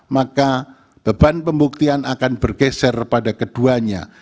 maka beban pembuktian akan bergeser pada keduanya